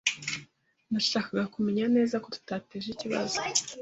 Nashakaga kumenya neza ko tutateje ikibazo.